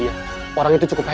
ini adalah orang yang meng closics